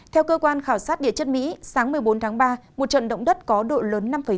theo cơ quan khảo sát địa chất mỹ sáng một mươi bốn tháng ba một trận động đất có độ lớn năm chín